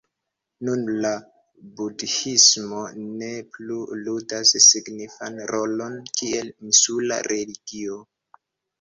Nun la budhismo ne plu ludas signifan rolon kiel insula religio.